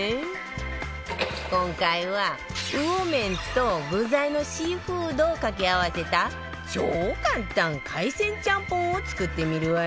今回は魚麺と具材のシーフードを掛け合わせた超簡単海鮮ちゃんぽんを作ってみるわよ